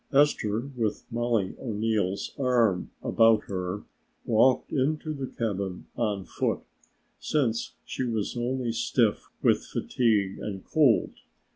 Esther, with Mollie O'Neill's arm about her, walked into the cabin on foot, since she was only stiff with fatigue and cold.